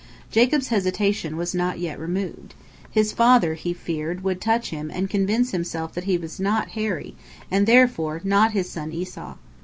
Jacob's hesitation was not yet removed. His father, he feared, would touch him and convince himself that he was not hairy, and therefore not his son Esau.